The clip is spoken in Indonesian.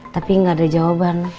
tapi gak ada jawaban